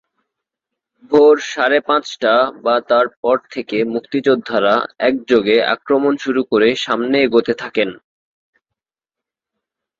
ভোর সাড়ে পাঁচটা বা তার পর থেকে মুক্তিযোদ্ধারা একযোগে আক্রমণ শুরু করে সামনে এগোতে থাকেন।